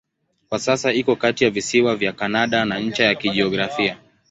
Kwa sasa iko kati ya visiwa vya Kanada na ncha ya kijiografia.